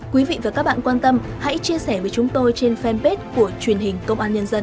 quý vị và các bạn quan tâm hãy chia sẻ với chúng tôi trên fanpage của truyền hình công an nhân dân